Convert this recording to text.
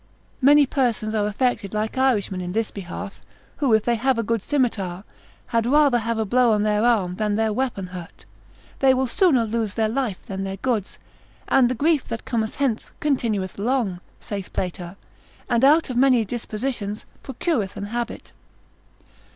Many persons are affected like Irishmen in this behalf, who if they have a good scimitar, had rather have a blow on their arm, than their weapon hurt: they will sooner lose their life, than their goods: and the grief that cometh hence, continueth long (saith Plater) and out of many dispositions, procureth an habit.